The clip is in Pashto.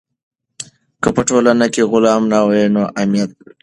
که په ټولنه کې غلا نه وي نو امنیت راځي.